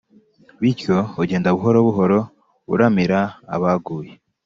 Bityo ugenda buhoro buhoro uramira abaguye,